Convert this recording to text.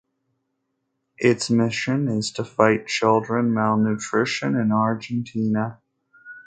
Its mission is to fight children malnutrition in Argentina.